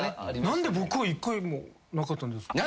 何で僕は１回もなかったんですか？